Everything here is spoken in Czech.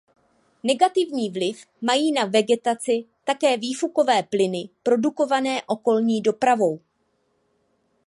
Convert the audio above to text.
Negativní vliv mají na vegetaci také výfukové plyny produkované okolní dopravou.